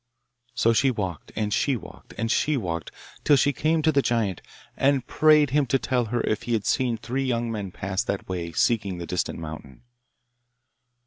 So she walked, and she walked, and she walked till she came to the giant, and prayed him to tell her if he had seen three young men pass that way seeking the distant mountain.